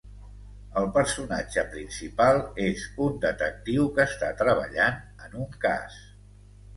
El personatge principal és un detectiu que està treballant en un cas.